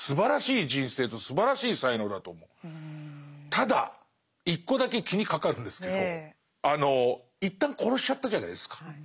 ただ一個だけ気にかかるんですけど一旦殺しちゃったじゃないですか。